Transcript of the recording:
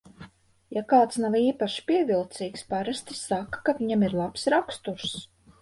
Ja kāds nav īpaši pievilcīgs, parasti saka, ka viņam ir labs raksturs.